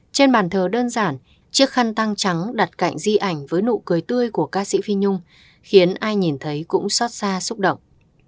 trên bàn thờ đơn giản chiếc khăn tăng trắng đặt cạnh di ảnh với nụ cười tươi của ca sĩ phi nhung khiến ai nhìn thấy cũng xót xa xúc động